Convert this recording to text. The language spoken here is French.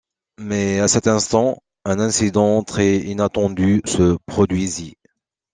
Mais, à cet instant, un incident très inattendu se produisit.